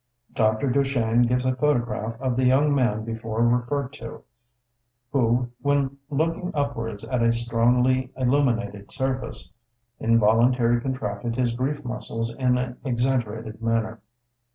Dr. Duchenne gives a photograph of the young man before referred to, who, when looking upwards at a strongly illuminated surface, involuntarily contracted his grief muscles in an exaggerated manner.